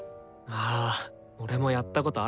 あ俺もやったことあるよ。